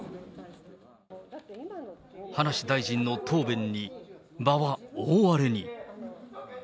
葉梨大臣の答弁に、場は大荒れに。